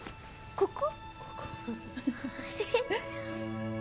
ここ。